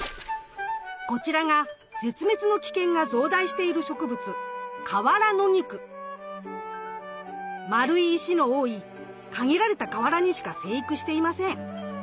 こちらが絶滅の危険が増大している植物丸い石の多い限られた河原にしか生育していません。